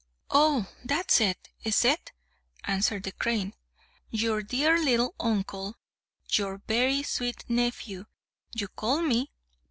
"Oh, that's it, is it?" answered the crane. "Your dear little uncle, your very sweet nephew, you call me!